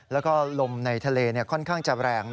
แล้วก็ลมในทะเลค่อนข้างจะแรง